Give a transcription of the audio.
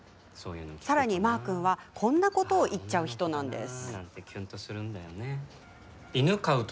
さらに、マア君はこんなことを言っちゃう人でしたね。